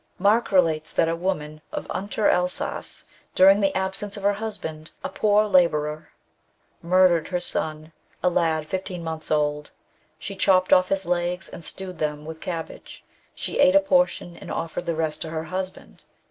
Mare * relates that a woman of Unterelsas, during the absence of her husband, a poor labourer, murdered her son, a lad fifteen months old. She chopped off his legs and stewed them with cabbage. She ate a portion, and offered the rest to her husband.